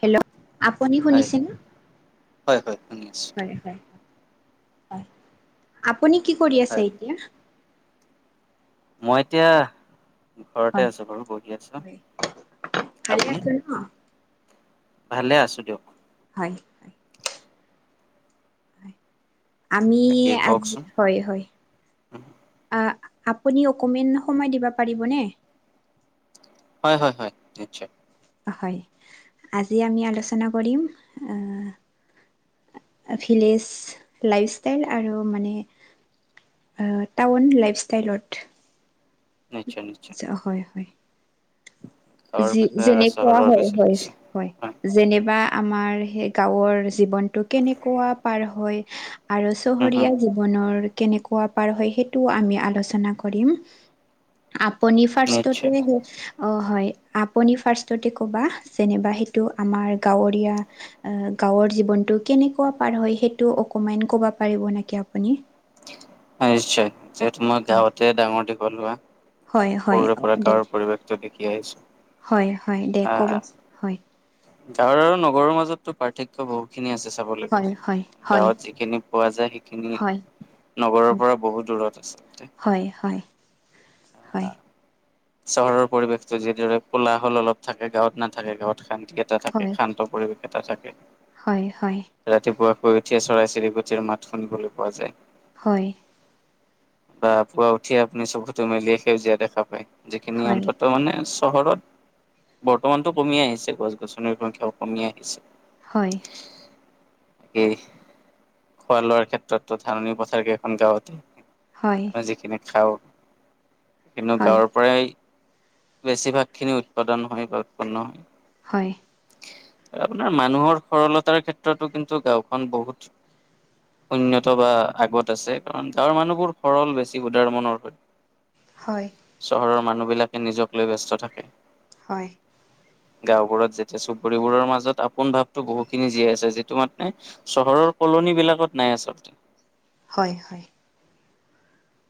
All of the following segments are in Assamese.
হেল্ল' আপুনি হয়, শুনিছে নে হয়, হয়, শুনি আছো হয় হয়। হয় আপুনি কি কৰি আছে হয়। এতিয়া। মই এতিয়া। ঘৰতে হয় আছো বাৰু বহি আছো হয় ভালে আপুনি? আছো ন? ভালে আছো দিয়ক। হয় হয় আমি বাকী আজি, কওকচোন? হয় হয় আপুনি অকণমান সময় দিব পাৰিবনে? হয় হয় হয় নিশ্চয়। হয় আজি আমি আলোচনা কৰিম। ভিলেইজ লাইফষ্টাইল আৰু মানে। অ টাউন লাইফষ্টাইলত। নিশ্চয় নিশ্চয়। আচ্ছা হয় হয়। গাঁৱৰ যি বিষয়ে আৰু যেনেকুৱা চহৰৰ হয় বিষয়ে হয় কিছু হয়। যেনিবা আমাৰ সেই গাঁৱৰ জীৱনতটো কেনেকুৱা পাৰ হয়। আৰু উম, উম, চহৰীয়া জীৱনৰ কেনেকুৱা পাৰ হয় সেইটোও আমি আলোচনা কৰিম। আপুনি নিশ্চয়, ফাৰ্ষ্টটতে অ হয়। আপুনি ফাৰ্ষ্টতে ক'বা যেনেবা সেইটো আমাৰ গাঁৱৰীয়া। আহ গাঁৱৰ জীৱনতটো কেনেকুৱা পাৰ হয় সেইটো অকমান কব পাৰিব নেকি আপুনি। হয় নিশ্চয় যে মই গাঁৱতে ডাঙৰ দীঘল হোৱা। হয় হয় সৰুৰে পৰা দে গাঁৱৰ পৰিৱেশটো দেখি আহিছো। হয় হয় দে আহ, ক'বচোন হয়। গাঁৱৰ আৰু নগৰৰ মাজতো পাৰ্থক্য বহুতখিনি আছে চাবলৈ হয় গলে। হয় হয় গাঁৱত যিখিনি পোৱা যায় সেইখিনি হয় নগৰৰ হয় পৰা বহুত দূৰত আচলতে। হয় হয়। হয় অহ, চহৰৰ পৰিৱেশতো যিদৰে কোলা হল অলপ থাকে গাঁৱত নাথাকে গাঁৱত শান্তি এটা থাকে হয় শান্ত, পৰিৱেশ এটা থাকে। হয় হয়। ৰাতিপুৱা শুই উঠিয়ে চৰাই চিৰিকুটিৰ মাত শুনিবলৈ পোৱা যায়। হয়। বা পুৱা উঠিয়ে আপুনি চকুতো মেলিয় সেউজীয়া দেখা পায় যিখিনি হয় অন্তত, তাৰ মানে চহৰত বৰ্তমানটো কমি আহিছে গছ গছনিৰ সংখ্যাও কমি আহিছে। হয়। এই, খোৱা লোৱাৰ ক্ষেত্ৰতো ধাননি পথাৰ কেই এখন গাঁৱত। হয়। যিখিনি খাওঁ কিন্তু হয় গাঁৱৰ পৰাই। বেছিভাগ খিনি উৎপাদন হয় বা উৎপন্ন হয়। হয়। আপোনাৰ মানুহৰ সৰলতাৰ ক্ষেত্ৰতো কিন্তু গাঁওখন বহুত, উন্নত বা আগত আছে কাৰণ গাঁৱৰ মানুহবোৰ সৰল বেছি উদাৰ মনৰ হয়। [inaudible] হয়। চহৰৰ মানুহবিলাকে নিজক লৈ ব্যস্ত থাকে। হয়। গাঁওবোৰত যেতিয়া চুবুৰীবোৰৰ মাজত আপোন ভাৱতো বহুতখিনি জীয়াই আছে যিটো মানে। চহৰৰ কলনী বিলাকত নাই আচলতে। হয় হয়।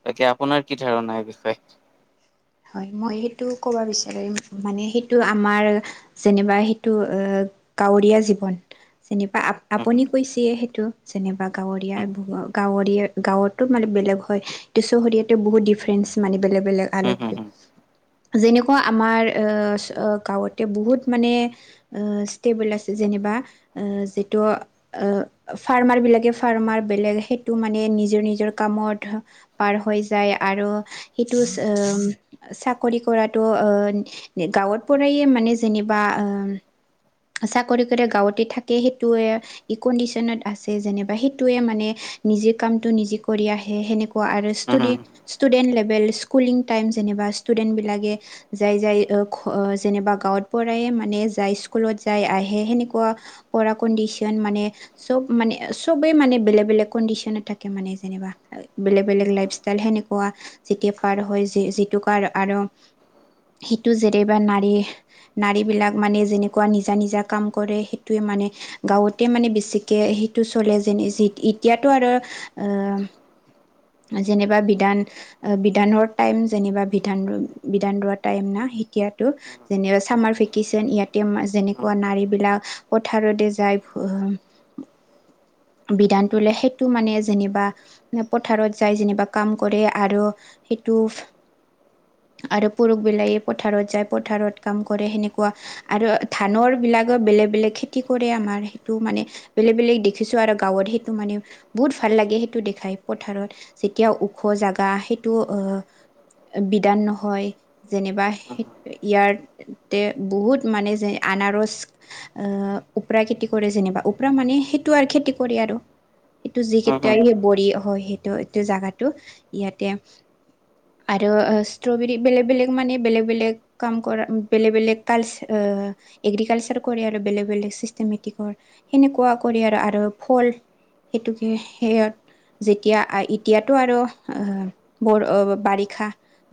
তাকে আপোনাৰ কি ধাৰণা এই বিষয়ে? হয় মই সেইটো ক'ব বিচাৰিম মানে সেইটো আমাৰ যেনিবা সেইটো কাৱৰীয়া জীৱন। যেনিবা আ হুম হুম আপুনি কৈছে সেইটো যেনিবা গাঁৱৰীয়া গাৱৰীয়া গাঁৱতো মানে বেলেগ হয় ত চহৰীয়াতো বহুত ডিফাৰেন্ঞ্চ মানে বেলেগ বেলেগ হুম আলগ হুম হয়। হুম যেনেকুৱা আমাৰ আ গাঁৱতে বহুত মানে। আহ ষ্টেবল আছে যেনিবা যিটো। আহ ফাৰ্মাৰ বিলাকে ফাৰ্মাৰ বেলেগ সেইটো মানে নিজৰ নিজৰ কামত পাৰ হৈ যায় আৰু সেইটোছ উম চাকৰি কৰাটো গাঁওত পৰাই মানে যেনিবা চাকৰি কৰে গাঁৱতে থাকে সেইটোৱে ই কণ্ডিচনত আছে যেনিবা সেইটোৱে মানে নিজে কামটো নিজে কৰি আহে সেনে কোৱা আৰু ইষ্টোদি হুম ষ্টুডেণ্ট লেভেল স্কুলিং টাইম যেনিবা ষ্টুডেণ্ট বিলাকে যাই যাই যেনিবা গাঁৱত পঢ়ায় মানে যাই স্কুলত যাই আহে সেনেকুৱা পৰা কণ্ডিচন মানে। চব মানে চবে মানে বেলেগ বেলেগ কণ্ডিচনত থাকে মানে যেনিবা। বেলেগ বেলেগ লাইফষ্টাইল সেনেকুৱা যেতিয়া পাৰ হয় যিটো কাৰ আৰ সিটো জেদেবা নাৰী নাৰীবিলাক মানে যেনেকুৱা নিজা নিজা কাম কৰে সেইটোৱে মানে গাঁৱতে মানে বেছিকে সেইটো চলে যেন এতিয়াতো আৰু আহ যেনেবা বিধান বিধানৰ টাইম। যেনিবা বিধান বিধান লোৱা টাইম না সেতিয়াতো। যেনেৱা চামাৰ ভেকেশচন ইয়াতে হুম যেনেকুৱা নাৰী বিলাক পথাৰতে যায় [inaudible] বিধান তোলে সেইটো মানে যেনিবা পথাৰত যায় যেনিবা কাম কৰে আৰু সেইটো আৰু পুৰুষবিলাকে পথাৰত যায় পথাৰত কাম কৰে সেনেকুৱা। আৰু ধানৰ বিলাকত বেলেগ বেলেগ খেতি কৰে আমাৰ সেইটো মানে। বেলেগ বেলেগ দেখিছো আৰু গাঁৱত সেইটো মানে বহুত ভাল লাগে সেইটো দেখাই পথাৰত যেতিয়া ওখ জাগা সেইটো আহ। বিধান নহয় যেনিবা, ইয়াৰ তে বহুত মানে যে আনাৰস অহ ওপৰা খেতি কৰে যেনিবা ওপৰা মানে সেইটো আৰু খেতি কৰে আৰু এইটো হুম যিকেইটা হুম বৰি হয় সেইটো এইটো জোগাটো ইয়াতে আৰু ষ্ট্ৰবেৰী বেলেগ বেলেগ মানে বেলেগ বেলেগ। কাম কৰা বেলেগ বেলেগ কালছ্ আহ এগ্ৰিকালচাৰ কৰে আৰু বেলেগ বেলেগ চিষ্টেমেটিকৰ সেনেকুৱা কৰি আৰু আৰু ফল। সেইটোকে সেয়াত। যেতিয়া এতিয়াতো আৰু অ বৰ বাৰিক। ষা‌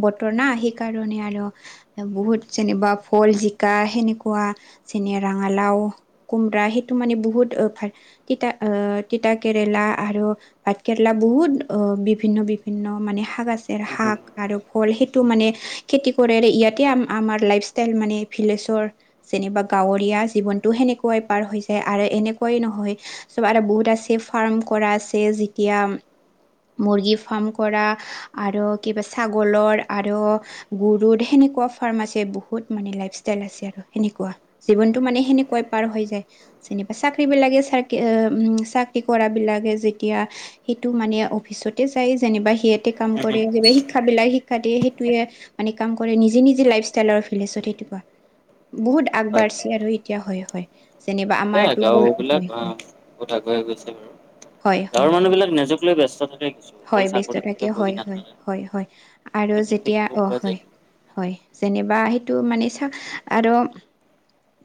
বতৰ না সেইকাৰণে আৰু বহুত যেনিবা ফল জিকা সেনেকুৱা যেনে ৰঙালাও। কোমৰা সেইটো মানে বহুত তিতা আহ তিতা কেৰেলা আৰু। ভাত কেৰেলা বহুত অ বিভিন্ন বিভিন্ন মানে শাক আছে হুম হুম শাক হুম আৰু ফল সেইটো মানে খেতি কৰে ইয়াতে আমাৰ লাইফ ষ্টাইল মানে ভিলেছৰ। যেনিবা গাঁৱৰীয়া জীৱনতো সেনেকুৱাই পাৰ হৈ যায় আৰু এনেকুৱাই নহয়। চব আৰু বহুতটা চেফ ফাৰ্ম কৰা আছে যেতিয়া। মুৰ্গী ফাৰ্ম কৰা আৰু কিবা ছাগলৰ আৰু গৰুড সেনেকুৱা ফাৰ্ম আছে বহুত মানে লাইফষ্টাইল আছে আৰু সেনেকুৱা। জীৱনটো মানে সেনেকুৱাই পাৰ হৈ যায়। যেনিবা চাকৰি বিলাকে চা- চাকৰি কৰা বিলাকে যেতিয়া সেইটো মানে অফিচতে যায় যেনিবা সিয়াতে কাম কৰে। শিক্ষাবিলাক শিক্ষা দিয়ে সেইটোয়ে মানে কাম কৰে নিজে নিজে লাইফ ষ্টাইলৰ [unintelligible] বহুত হয় আগবাৰছে আৰু এতিয়া হয় হয়। যেনিবা এতিয়া আমাৰতো গাঁও হয় বিলাক হয় আহ বহুত আগুৱাই গৈছে বাৰু। হয় হয় গাঁৱৰ হয় মানুহ বিলাক নিজক লৈ ব্যস্ত থাকে কিছু হয় অকল ব্যস্ত থাকে চাকৰিতোকে হয় বহি হয় নাথাকে। হয় হয় সেইটো আৰু ক্ষেত্ৰত যেতিয়া দেখিব অ পোৱা যায়। হয়। হয় যেনিবা সেইটো মানে চা আৰু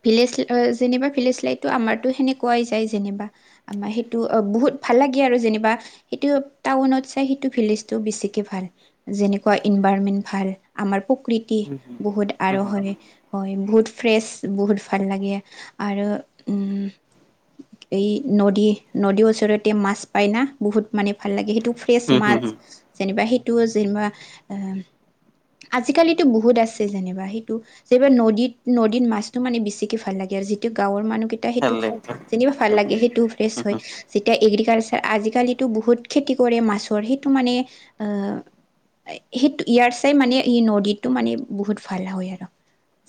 ভিলেজ যেনিবা ভিলেজ লাইতটো আমাৰতো সেনেকুৱাই যায় যেনিবা। আমাৰ সেইটো বহুত ভাল লাগে আৰু যেনিবা সেইটো টাউনত চাই সেইটো ভিলেজটো বেছি তি ভাল যেনেকুৱা ইনভাৰনমেন্ট ভাল আমাৰ প্ৰকৃতি বহুত আৰু হয়। হয়, বহুত ফ্ৰেছ বহুত ভাল লাগে আৰু উম এই নদী নদীৰ ওচৰতে মাছ পাই না বহুত মানে ভাল লাগে সেইটো [unintelligible] যেনিবা সেইটো যেনিবা এ আজিকালিতো বহুত আছে যেনিবা সেইটো যে এইবাৰ নদীত-নদীত মাছটো মানে বেছিকে ভাল লাগে আৰু যিটো গাঁৱৰ মানুহকেইটা সেইটো খাই যেনিবা ভাল নদীটো লাগে সেইটোও ফ্ৰেছ হয়। যেতিয়া এগ্ৰিকালচাৰ আজিকালিতো বহুত খেতি কৰে মাছৰ সেইটো মানে আহ [inaudible] সেইটো ইয়াৰ চেই মানে এই নদীটো মানে বহুত ভাল হয় আৰু।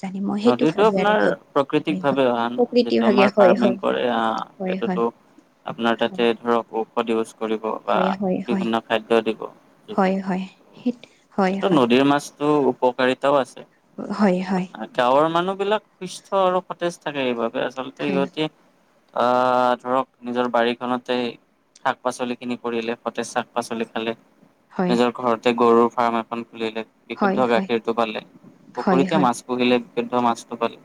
জানি মই সেইটো ভাবে আৰু আপোনাৰ হয় প্ৰাকৃতিক হয় ভাৱে অহা ন প্ৰকৃতি যিটো ভাগে আমাৰ হয় ফাৰ্মিং হয় হয়। কৰে আহ হয় হয়। সেইটোতো আপোনাৰ তাতে ধৰক প্ৰডিউজ কৰিব বা হয় হয় হয় বিভিন্ন খাদ্য দিব। হয় হয় সেই হয় এইটো নদীৰ মাছ ত' উপকাৰিতাও আছে। হয় হয়। আপোনাৰ গাঁৱৰ মানুহবিলাক সুস্থ আৰু সতেজ থাকে এইবাবে আচলতে হয় সিহতি আ ধৰক নিজৰ বাৰীখনতে শাক পাচলিখিনি কৰিলে সতেজ শাক পাচলি খালে। হয় নিজৰ ঘৰতে গৰুৰ ফাৰ্ম এখন খুলিলে হয় হয় বিশুদ্ধ গাখীৰটো পালে, হয় পুখুৰীতে হয় মাছ পুহিলে বিশুদ্ধ মাছটো পালে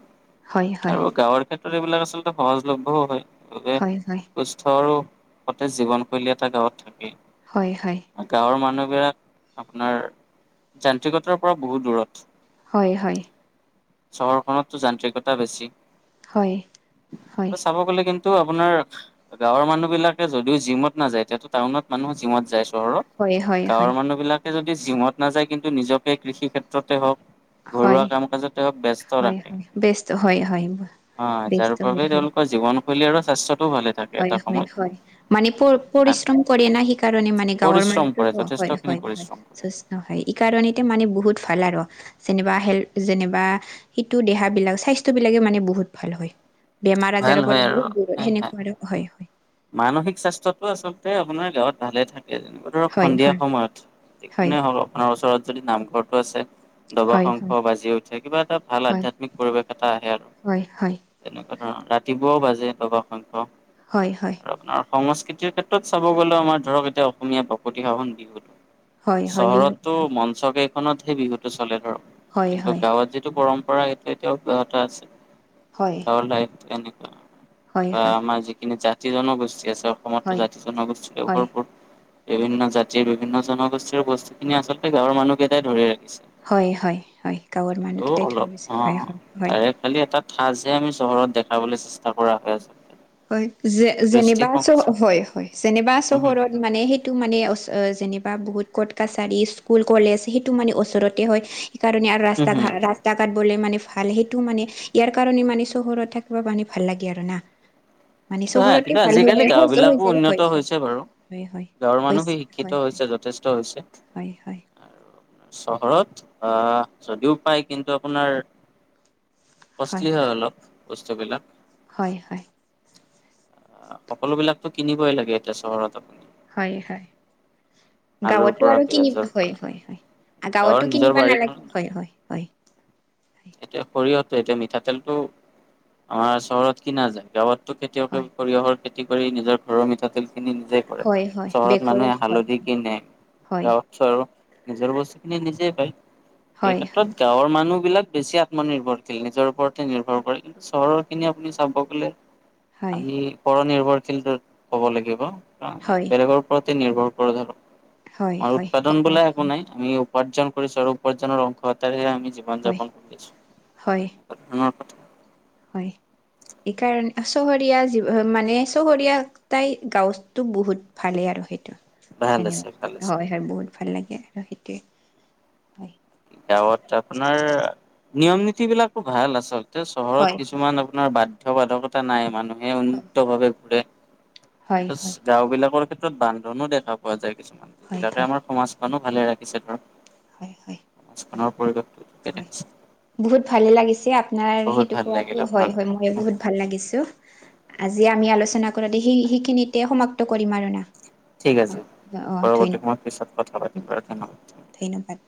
হয় হয় আৰু গাঁৱৰ ক্ষেত্ৰত এইবিলাক আচলতে সহজ লভ্যও হয়। সেইবাবে হয় হয় সুস্থ আৰু সতেজ জীৱনশৈলী এটা গাঁৱত থাকেই। হয় হয়। গাঁৱৰ মানুহবিলাক আপোনাৰ যান্ত্ৰিকতাৰ পৰা বহুত দূৰত। হয় হয়। চহৰখনততো যান্ত্ৰিকতা বেছি হয় হয় আৰু চাব গলে কিন্ তো আপোনাৰ গাঁৱৰ মানুহ বিলাকে যদিও জিমত নাযায় এতিয়াটো টাউনত মানুহ জিমত যায় চহৰৰ হয় হয় হয় হয় গাঁৱৰ মানুহ বিলাকে যদি জিমত নাযায় কিন্তু নিজকে কৃষি ক্ষেত্ৰতে হওক ঘৰুৱা কাম কাজত তেওঁক ব্যস্ত হয় ৰাখে। হয় ব্যস্ত হয় হয় অ, যাৰ ব্যস্ত হয় বাবে হয় তেওঁ জীৱনশৈলী আৰু স্বাস্থ্যটো ভালে থাকে হয় এটা হয় সময়ত। হয়। মানে আৰু পৰিশ্ৰম কৰে না সেইকাৰণে মানে গাঁৱৰ পৰিশ্ৰম মানুহতো কৰে অ হয় যথেষ্টখিনি হয় হয় পৰিশ্ৰম কৰে। হয় ই কাৰণেতো মানে বহুত ভাল আৰু। যেনিবা হেল যেনিবা সিটো দেহ বিলাক স্বাস্থ্য বিলাকে মানে বহুত ভাল হয়। বেমাৰ ভাল আজাৰৰ হয় পৰা আৰু বহুত দূৰত হয় হয়। সেনেকুৱা আৰু হয় হয়। মানসিক স্বাস্থ্যটো আচলতে আপোনাৰ গাঁৱত ভালে থাকে যেনিবা। ধৰক হয় সন্ধিয়া হয় সময়ত হয় [unintelligible] আপোনাৰ ওচৰত যদি নামঘৰটো আছে। দবা হয় শংখ বাজি উঠে কিবা এটা ভাল হয় আধ্যাত্মিক পৰিৱেশ এটা আহে আৰু। হয় হয় তেনেকুৱা ধৰণৰ ৰাতিপুৱাও বাজে দবা শংখ। হয় হয়। আৰু আপোনাৰ সংস্কৃতিৰ ক্ষেত্ৰত চাব গ'লেও আমাৰ ধৰক এতিয়া অসমীয়া বাপতি সাহোন বিহুটো হয় হয় বিহু চহৰতটো হয় মন চকেইখনত হেই বিহুতটো চলে ধৰক হয় কিন্তু হয় গাঁৱত যিটো পৰম্পৰা সেইটো এতিয়াও অব্যাহত আছে। হয়। ৰ দায়েকটো এনেকুৱা। হয় হয় হয় অ'- আমাৰ যিখিনি জাতি-জনগোষ্ঠী আছে অসমতটো জাতি জনগোষ্ঠীৰে ভৰপুৰ। বিভিন্ন জাতিৰ, বিভিন্ন জনগোষ্ঠীৰ বস্তুখিনিয়ে আচলতে গাঁৱৰ মানুহকেইটাই ধৰি ৰাখিছে। হয় - হয় - হয়, গাঁৱৰ ত' মানুহকেইটাই থৈ অলপ গৈছে। হয় - অ'। হয় - হয়। তাৰে খালি এটা ঠাঁচহে আমি চহৰত দেখাবলৈ চেষ্টা কৰা হৈ আছে। হয় যে- যেনিবা চ- হয় - হয়, যেনেবা উম হম, চহৰত মানে সেইটো মানে ওচ- অ'- যেনেবা বহুত কৰ্ট-কাছাৰী, স্কুল-কলেজ, সেইটো মানে ওচৰতে হয়। সিকাৰণে আৰু উম হম। ৰাস্তা-ঘাট স্তা-ঘাট বোলে মানে ভাল। সেইটো মানে, ইয়াৰ কাৰণে মানে, চহৰত থাকিবা মানে, ভাল লাগে আৰু না। মানে কিন্তু হা চহৰতে কিন্তু ভাল হৈ আজিকালি যায়। সহজো গাঁওবিলাকো উন্নত হৈ যায়। হৈছে বাৰু। হয় - হয়। হয় - হয়, গাঁৱৰ মানুহো হৈছে। শিক্ষিত হয় - হয়। হৈছে যথেষ্ট হৈছে। হয় - হয়। চহৰত অ'- যদিও পায়, কিন্তু আপোনাৰ কোষ্টলি হয় অলপ, বস্তুবিলাক। হয় - হয়। সকলোবিলাকতো কিনিবই লাগে এতিয়া চহৰত আপুনি। হয় - হয়। আলুৰ গাঁৱতটো পৰা আৰু পিয়াজৰ কিনিব- হয় পৰা - হয় - হয়। গাঁৱৰ গাঁৱতটো নিজৰ কিনিবা নালাগে, বাৰীখনত হয় - হয় - হয়। এতিয়া সৰিয়হটো- এতিয়া মিঠাতেলটো আমাৰ চহৰত কিনা যায়। গাঁৱত টো খেতিয়কে হয় সৰিয়হৰ খেতি কৰি, নিজৰ ঘৰৰ মিঠাতেলখিনি নিজে কৰে। হয় হয় চহৰত বেকৰে মানুহে হয় হালধি কিনে। হয় গাঁৱত আৰু নিজৰ বস্তুখিনি নিজে পায়। এই হয় ক্ষেত্ৰত গাঁৱৰ মানুহবিলাক বেছি আত্মনিৰ্ভৰশীল। নিজৰ ওপৰতে নিৰ্ভৰ কৰে। কিন্তু চহৰৰখিনি আপুনি চাব গ'লে হয় আমি পৰ-নিৰ্ভৰশীলটো কব লাগিব। কাৰণ হয় বেলেগৰ ওপৰতে নিৰ্ভৰ কৰোঁ হয় আৰু হয় অ উৎপাদন অ বোলা একো হয় নাই। আমি উপাৰ্জন কৰিছোঁ আৰু উপাৰ্জনৰ অংশ এটাৰহে আমি জীৱন - হয় যাপন কৰি হয় আছোঁ। [unintelligible] হয়। এইকাৰণে চহৰীয়া জীৱ- মানে চহৰীয়া তাই গাঁৱতটো বহুত ভালেই আৰু সেইটো ভাল আছে ভাল আছে যেনিবা। হয় - হয় বহুত ভাল লাগে আৰু, সেইটোৱে। হয় গাঁৱত আপোনাৰ নিয়ম-নীতিবিলাকো ভাল আচলতে। হয় চহৰত কিছুমান আ পোনাৰ বাধ্য-বাধকতা নাই, মানুহে হয় উন্মুক্তভাৱে ঘুৰে। হয় হয় গাঁওবিলাকৰ ক্ষেত্ৰত বান্ধনো দেখা পোৱা যায় কিছুমান, হয় যিবিলাকে হয় আমাৰ সমাজখনো ভালে ৰাখিছে ধৰ হয় - হয়। হয় সমাজখনৰ পৰিৱেশ হয়। বহুত ভালে লাগিছে আপোনাৰ বহুত সেইটো ভাল লাগিল কোৱাটো, আপোনাৰ হয় - হয়। লগত মই বহুত ভাল লাগিছো। আজি আমি আলোচনা কৰোঁতে সেই- সেইখিনিতে সমাপ্ত কৰিম আৰু না। ঠিক আছে। অ অ', পৰৱৰ্তী সময়ত মই ধন্যবাদ পিছত কথা পাতিম বাৰু, ধন্যবাদ। ধন্যবাদ।